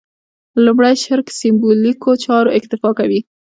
لومړي شرک سېمبولیکو چارو اکتفا کوي.